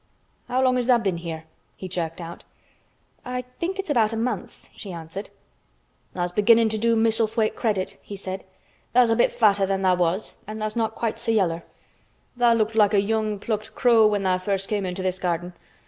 "How long has tha' been here?" he jerked out. "I think it's about a month," she answered. "Tha's beginnin' to do Misselthwaite credit," he said. "Tha's a bit fatter than tha' was an' tha's not quite so yeller. Tha' looked like a young plucked crow when tha' first came into this garden.